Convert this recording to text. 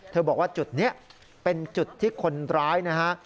บอกว่าจุดนี้เป็นจุดที่คนร้ายนะฮะ